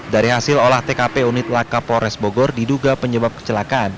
dari hasil olah tkp unit laka polres bogor diduga penyebab kecelakaan